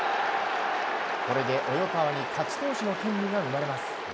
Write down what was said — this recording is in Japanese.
これで及川に勝ち投手の権利が生まれます。